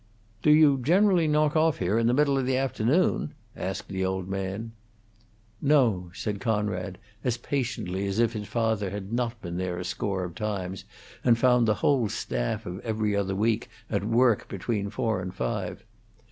"Do you generally knock off here in the middle of the afternoon?" asked the old man. "No," said Conrad, as patiently as if his father had not been there a score of times and found the whole staff of "Every Other Week" at work between four and five.